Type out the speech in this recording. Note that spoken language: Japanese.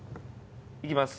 いきます。